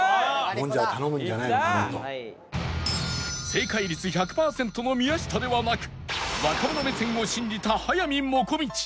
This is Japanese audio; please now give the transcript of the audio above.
正解率１００パーセントの宮下ではなく若者目線を信じた速水もこみち